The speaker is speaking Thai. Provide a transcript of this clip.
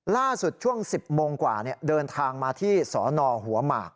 ล่าสุดช่วง๑๐โมงกว่าเดินทางมาที่สนหัวหมาก